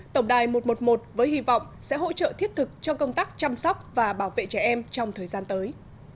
tổng đài một trăm một mươi một với hy vọng sẽ hỗ trợ thiết thực cho công tác chăm sóc và bảo vệ trẻ em trong thời gian tới